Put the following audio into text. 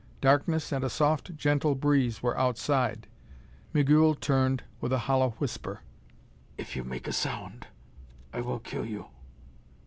Darkness and a soft gentle breeze were outside. Migul turned with a hollow whisper. "If you make a sound I will kill you."